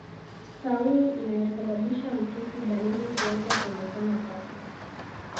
Tauni inayosababisha mtoki Dalili huanza kuonekana ghafla